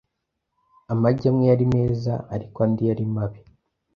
Amagi amwe yari meza, ariko andi yari mabi .